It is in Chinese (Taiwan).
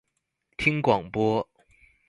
聽廣播